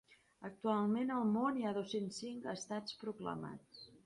Actualment, al món hi ha dos-cents cinc estats proclamats.